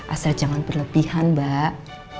asal jangan berlebihan mbak